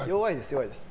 弱いです。